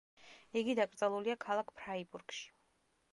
იგი დაკრძალულია ქალაქ ფრაიბურგში.